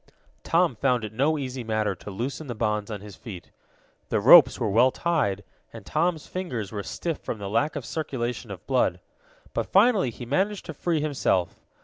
Tom found it no easy matter to loosen the bonds on his feet. The ropes were well tied, and Tom's fingers were stiff from the lack of circulation of blood. But finally he managed to free himself.